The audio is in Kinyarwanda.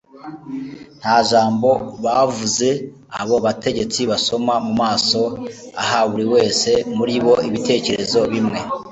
Nta jambo bavuze, abo bategetsi basoma mu maso ha buri wese muri bo ibitekerezo bimwe,